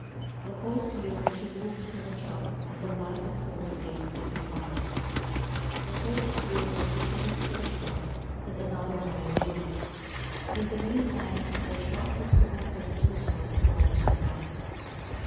The hose reel was removed from the truck and a line of hose laid to the fire. The hose reel was re turned to the truck and another line laid. In the meantime the truck was connected to the source of water supply.